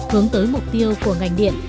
hướng tới mục tiêu của ngành điện